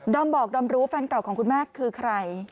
อมบอกดอมรู้แฟนเก่าของคุณแม่คือใคร